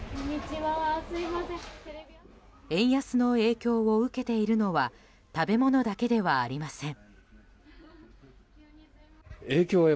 円安の影響を受けているのは食べ物だけではありません。